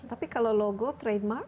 tapi kalau logo trademark